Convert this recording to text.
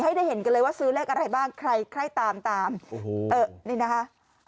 ให้ได้เห็นกันเลยว่าซื้อเลขอะไรบ้างใครใครตามตามโอ้โหเออนี่นะคะ